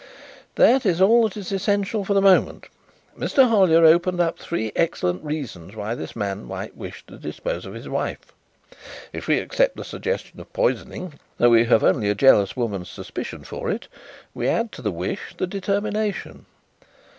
"That is all that is essential for the moment. Mr. Hollyer opens up three excellent reasons why this man might wish to dispose of his wife. If we accept the suggestion of poisoning though we have only a jealous woman's suspicion for it we add to the wish the determination.